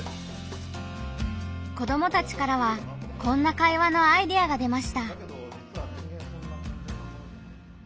子どもたちからはこんな会話のアイデアが出ました。